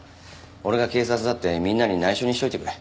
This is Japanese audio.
俺が警察だってみんなに内緒にしておいてくれ。